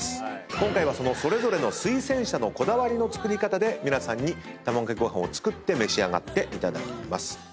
今回はそれぞれの推薦者のこだわりの作り方で皆さんにたまごかけごはんを作って召し上がっていただきます。